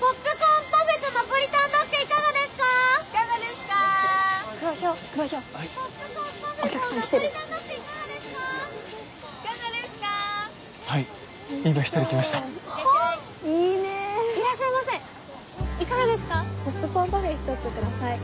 ポップコーンパフェ１つ下さい。